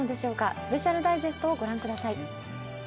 スペシャルダイジェストを御覧ください。